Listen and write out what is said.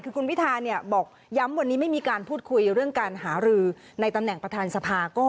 คือคุณพิธาบอกย้ำวันนี้ไม่มีการพูดคุยเรื่องการหารือในตำแหน่งประธานสภาก็